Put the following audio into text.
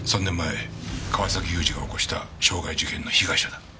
３年前川崎雄二が起こした傷害事件の被害者だ。